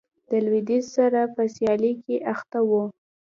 د لوېدیځ سره په سیالۍ کې اخته و.